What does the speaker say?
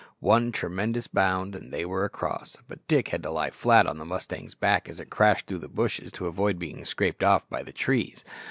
One tremendous bound, and they were across, but Dick had to lie flat on the mustang's back as it crashed through the bushes to avoid being scraped off by the trees.